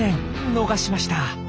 逃しました。